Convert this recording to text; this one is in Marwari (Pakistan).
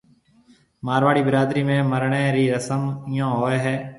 مارواڙي برادري ۾ مرڻيَ رِي رسم ايون ھيََََ